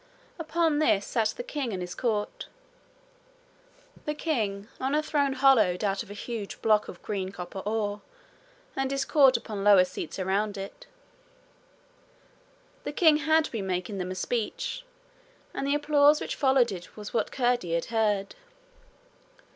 Upon this sat the king and his court: the king on a throne hollowed out of a huge block of green copper ore, and his court upon lower seats around it. The king had been making them a speech, and the applause which followed it was what Curdie had heard.